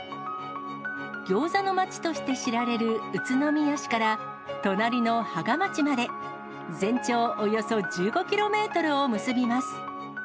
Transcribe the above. ギョーザの街として知られる宇都宮市から、隣の芳賀町まで、全長およそ１５キロメートルを結びます。